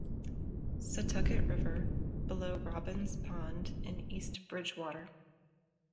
"Satucket River, below Robins Pond in East Bridgewater".